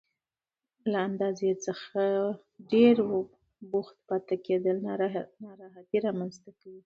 له اندازې ډېر بوخت پاتې کېدل ناراحتي رامنځته کوي.